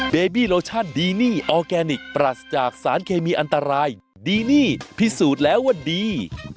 เบบี้โลชั่นดีนี่ออร์แกนิคปรัสจากสารเคมีอันตรายดีนี่พิสูจน์แล้วว่าดี